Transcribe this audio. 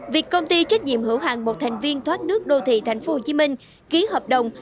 việc công ty trách nhiệm hữu hàng một thành viên thoát nước đô thị tp hcm ký hợp đồng